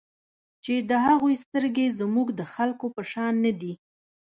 چې د هغوی سترګې زموږ د خلکو په شان نه دي.